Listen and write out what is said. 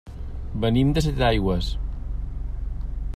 Venim de Setaigües.